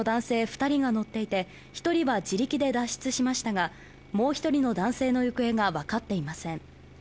二人が乗っていて一人は自力で脱出しましたがもう一人の男性の行方が分かっていません